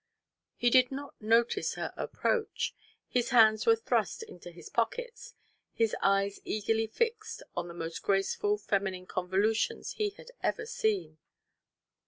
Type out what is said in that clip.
He did not notice her approach. His hands were thrust into his pockets, his eyes eagerly fixed on the most graceful feminine convolutions he had ever seen.